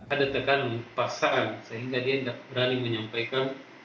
ada tekanan paksaan sehingga dia tidak berani menyampaikan